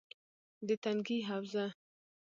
- د تنگي حوزه: